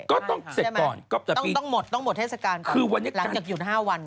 ก็ต้องเสร็จก่อนใช่ไหมต้องหมดเทศกาลก่อนหลังจากหยุด๕วัน